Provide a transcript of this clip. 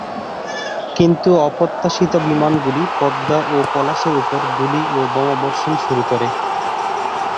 কিন্তু অপ্রত্যাশিতভাবে বিমানগুলি পদ্মা ও পলাশের ওপর গুলি ও বোমা বর্ষণ শুরু করে।